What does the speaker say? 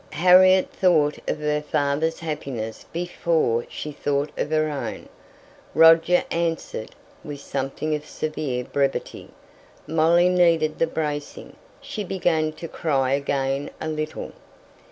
"Harriet thought of her father's happiness before she thought of her own," Roger answered, with something of severe brevity. Molly needed the bracing. She began to cry again a little.